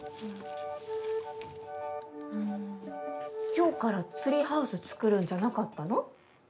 今日からツリーハウス作るんじゃなかったの？